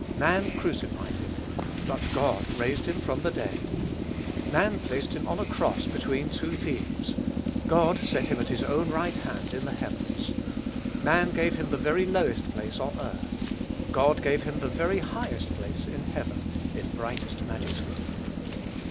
Man crucified him; but God raised him from the dead. Man placed him on a cross between two thieves; God set him at his own right hand in the heavens. Man gave him the very lowest place on earth; God gave him the very highest place in heaven, in brightest majesty.